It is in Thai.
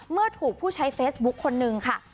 เมื่อถูกผู้ใช้เฟซบุ๊คคนนึงค่ะ